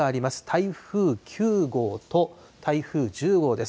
台風９号と台風１０号です。